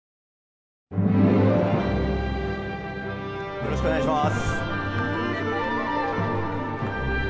よろしくお願いします